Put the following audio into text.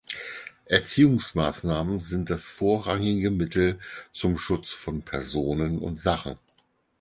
Erziehungsmaßnahmen sind das vorrangige Mittel zum Schutz von Personen und Sachen.